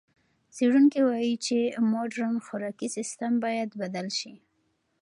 څېړونکي وايي چې مُدرن خوراکي سیستم باید بدل شي.